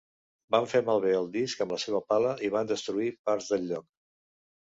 Van fer malbé el disc amb la seva pala i van destruir parts del lloc.